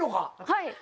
はい。